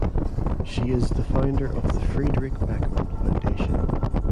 She is the founder of Friedrich Beckmann Foundation.